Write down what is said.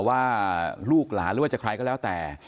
ว่าลูกหลานหรือว่าจะใครก็แล้วแต่